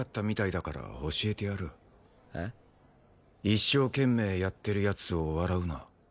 一生懸命やってる奴を笑うな。